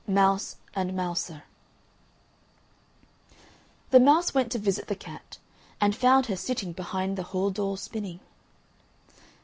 MOUSE AND MOUSER The Mouse went to visit the Cat, and found her sitting behind the hall door, spinning.